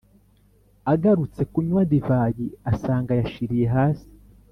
agarutse kunywa divayi, asanga yashiriye hasi.